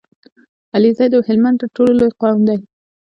عليزی د هلمند تر ټولو لوی قوم دی